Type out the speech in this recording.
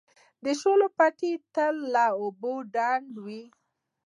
د شولو پټي تل له اوبو ډنډ وي.